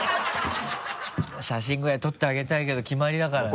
写真ぐらい撮ってあげたいけどきまりだからね。